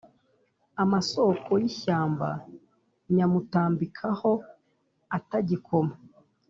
amasoko y'ishyamba nyamutambikaho atagikoma.